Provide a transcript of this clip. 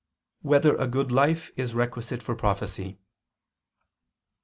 4] Whether a Good Life Is Requisite for Prophecy?